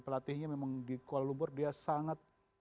pelatihnya memang di kuala lumpur dia sangat